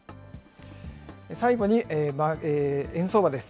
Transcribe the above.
最後に円相場です。